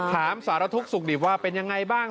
ถามสารทุกข์สุขดิบว่าเป็นยังไงบ้าง